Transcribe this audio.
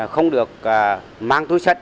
không được mang túi sắt